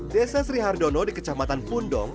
desa sri hardono di kecamatan pundong